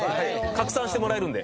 拡散してもらえるんで。